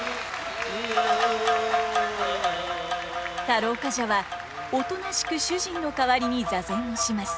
太郎冠者はおとなしく主人の代わりに座禅をします。